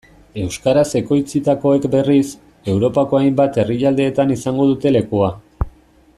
Euskaraz ekoitzitakoek berriz, Europako hainbat herrialdetan izango dute lekua.